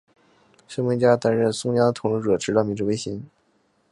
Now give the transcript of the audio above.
松平家担任松江的统治者直到明治维新。